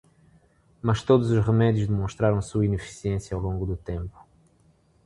Mas todos os remédios demonstraram sua ineficiência ao longo do tempo.